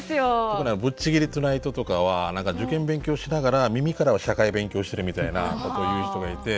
特に「ぶっちぎりトゥナイト」とかは受験勉強しながら耳からは社会勉強してるみたいなことを言う人がいて。